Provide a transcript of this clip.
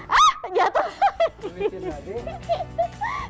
ah jatoh lagi